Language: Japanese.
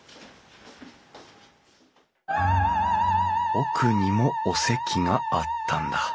奥にもお席があったんだ。